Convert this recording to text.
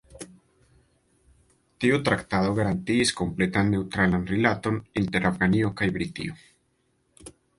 Tiu traktato garantiis kompletan neŭtralan rilaton inter Afganio kaj Britio.